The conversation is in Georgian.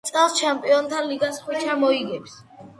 წელს ჩემპიონთა ლიგას ხვიჩა მოიგებს